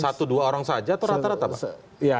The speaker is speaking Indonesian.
satu dua orang saja atau rata rata apa